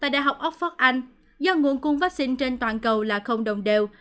tại đại học oxford anh do nguồn cung vaccine trên toàn cầu là không đồng đều